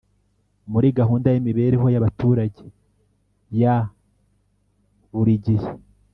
muri gahunda y imibereho ya baturage y burigihe